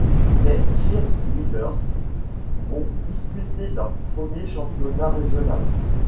Les cheerleaders vont disputer leur premier championnat régional.